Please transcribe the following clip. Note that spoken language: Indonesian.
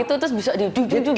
terus bisa di ujung ujung